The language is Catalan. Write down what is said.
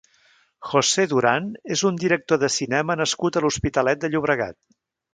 José Durán és un director de cinema nascut a l'Hospitalet de Llobregat.